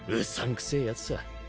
くせえやつさ。